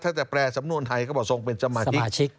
ถ้าแต่แปรสำนวนไทยก็บอกทรงเป็นสมาชิก